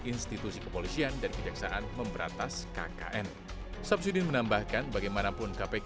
institusi kepolisian dan kejaksaan memberatas kkn samsudin menambahkan bagaimanapun kpk